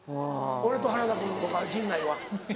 俺と原田君とか陣内は。